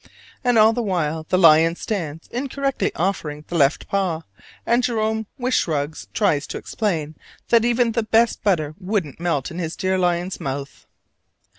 And all the while the lion stands incorrectly offering the left paw, and Jerome with shrugs tries to explain that even the best butter wouldn't melt in his dear lion's mouth.